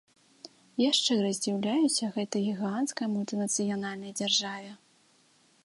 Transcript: Я шчыра здзіўляюся гэтай гіганцкай мультынацыянальнай дзяржаве.